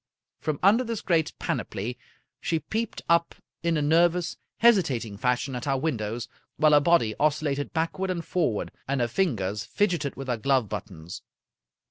From under this great panoply she peeped up in a ner vous, hesitating fashion at our windows, while her body oscillated backward and forward, and her fingers fidgeted with her glove buttons.